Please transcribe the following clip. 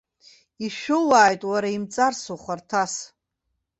Ишәоуааит, уара, имҵарсу хәарҭас.